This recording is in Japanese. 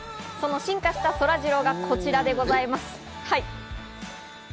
進化したそらジローがこちらでございます。